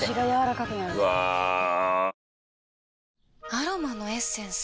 アロマのエッセンス？